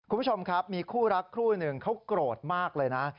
คุณผู้ชมครับมีคู่รักคู่หนึ่งเขาโกรธมากเลยนะ